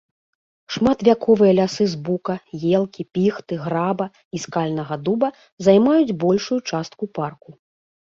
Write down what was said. Шматвяковыя лясы з бука, елкі, піхты, граба і скальнага дуба займаюць большую частку парку.